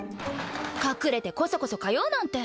隠れてコソコソ通うなんて。